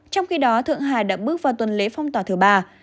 trong khi đó thượng hải đã bước vào tuần lễ phong tỏa thứ ba